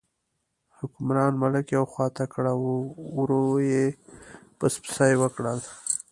حکمران ملک یوې خوا ته کړ او ور یې پسپسي وکړل.